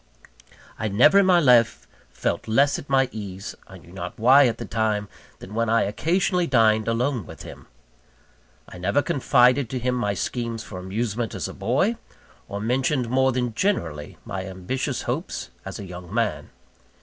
I never in my life felt less at my ease I knew not why at the time than when I occasionally dined alone with him. I never confided to him my schemes for amusement as a boy, or mentioned more than generally my ambitious hopes, as a young man.